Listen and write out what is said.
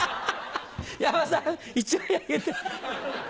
山田さん１枚あげて。